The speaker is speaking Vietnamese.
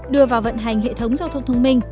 đưa vào vận hành hệ thống giao thông thông minh